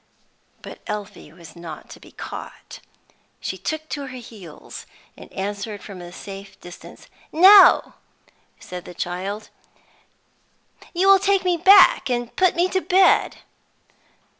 But Elfie was not to be caught: she took to her heels, and answered from a safe distance. "No," said the child; "you will take me back and put me to bed."